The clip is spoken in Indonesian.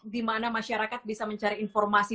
dimana masyarakat bisa mencari informasi